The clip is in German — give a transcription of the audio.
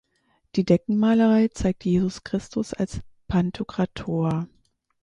Die Deckenmalerei zeigt Jesus Christus als Pantokrator.